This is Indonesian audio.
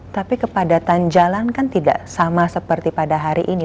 tapi kepadatan jalan kan tidak sama seperti pada hari ini